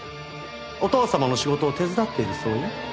お父様の仕事を手伝っているそうよ。